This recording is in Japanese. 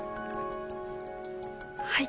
はい。